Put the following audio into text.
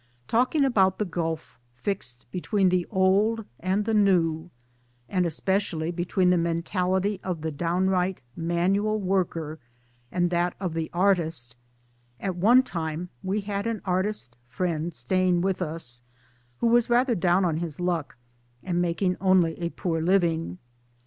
Talking about the gulf fixed between the Old and the New, and especially between the mentality, of the downright manual worker and that of the artist at one time we had an artist friend staying with us who was rather down on his luck and making only a poor living.